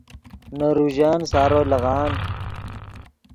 نے روژن سارو لیغان